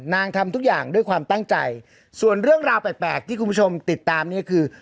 ทำทุกอย่างด้วยความตั้งใจส่วนเรื่องราวแปลกที่คุณผู้ชมติดตามเนี่ยคือ